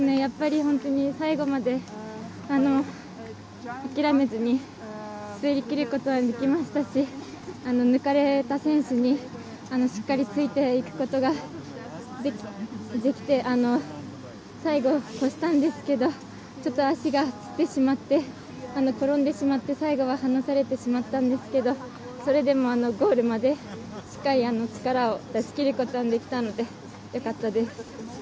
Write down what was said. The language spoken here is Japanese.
本当に最後まで諦めずに滑りきることができましたし抜かれた選手にしっかりついていくことができて最後、越したんですけどちょっと足がつってしまって転んでしまって最後は離されてしまったんですけどそれでもゴールまでしっかり力を出しきることができたのでよかったです。